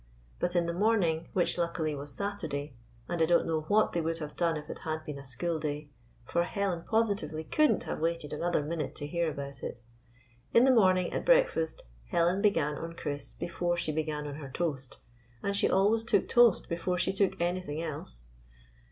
But in the morning — which, luckily, was Saturday, and I don't know what they would have done if it had been a school day, for Helen positively could n't have waited another minute to hear about it — in the morning at breakfast Helen began on Chris before she began on her toast, and she always took toast before she took anything else.